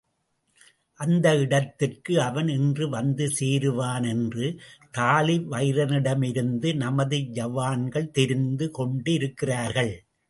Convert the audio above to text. அந்த இடத்திற்கு அவன் இன்று வந்து சேருவான் என்று தாழிவயிறனிடமிருந்து நமது ஜவான்கள் தெரிந்து கொண்டிருக்கிறார்கள்.